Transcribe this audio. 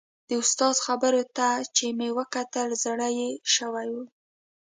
د استاد خبرو ته چې مې وکتل زړه یې شوی و.